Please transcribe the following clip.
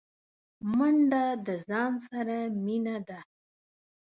منډه د ځان سره مینه ده